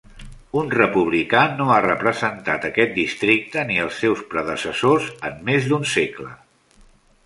Un republicà no ha representat aquest districte ni els seus predecessors en més d'un segle.